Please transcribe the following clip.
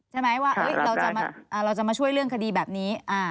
เราจะมาช่วยเรื่องคดีแบบนี้